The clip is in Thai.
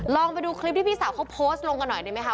ลองไปดูคลิปที่พี่สาวเขาโพสต์ลงกันหน่อยได้ไหมคะ